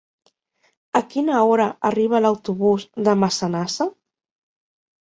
A quina hora arriba l'autobús de Massanassa?